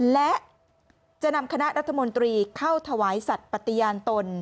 และจะนำคณะรัฐมนตรีเข้าถวายสัตว์ปฏิญาณตน